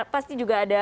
pasti juga ada